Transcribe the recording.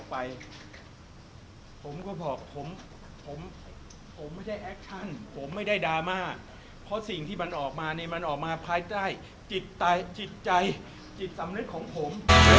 ผมก็บอกผมผมไม่ได้แอคชั่นผมไม่ได้ดราม่าเพราะสิ่งที่มันออกมาเนี่ยมันออกมาภายใต้จิตใจจิตสำนึกของผม